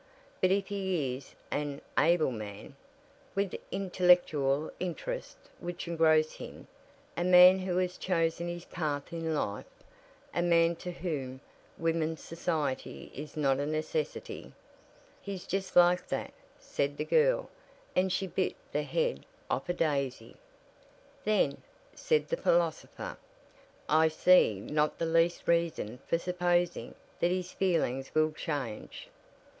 But if he is an able man, with intellectual interests which engross him a man who has chosen his path in life a man to whom women's society is not a necessity " "He's just like that," said the girl, and she bit the head off a daisy. "Then," said the philosopher, "I see not the least reason for supposing that his feelings will change."